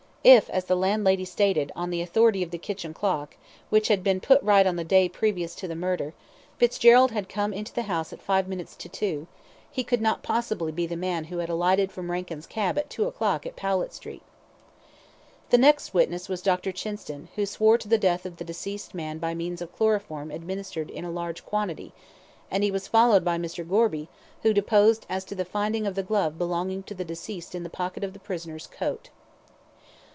If, as the landlady stated, on the authority of the kitchen clock, which had been put right on the day previous to the murder, Fitzgerald had come into the house at five minutes to two, he could not possibly be the man who had alighted from Rankin's cab at two o'clock at Powlett Street. The next witness was Dr. Chinston, who swore to the death of the deceased by means of chloroform administered in a large quantity, and he was followed by Mr. Gorby, who deposed as to the finding of the glove belonging to the deceased in the pocket of the prisoner's coat.